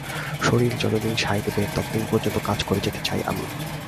শরীর যতদিন সাঁয় দেবে, ততদিন পর্যন্ত কাজ করে যেতে চাই আমি।